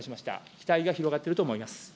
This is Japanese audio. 期待が広がっていると思います。